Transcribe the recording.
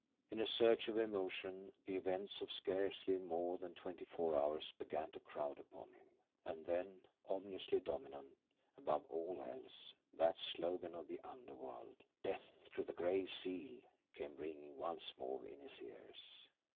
In a surge of emotion, the events of scarcely more than twenty four hours, began to crowd upon him and then, ominously dominant, above all else, that slogan of the underworld, "Death to the Gray Seal!" came ringing once more in his ears.